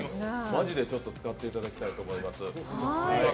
マジで使っていただきたいと思います。